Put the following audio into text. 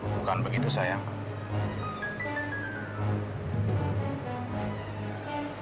bukan begitu sayang